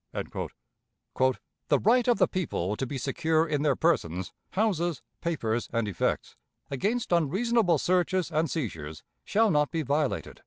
"The right of the people to be secure in their persons, houses, papers, and effects, against unreasonable searches and seizures shall not be violated."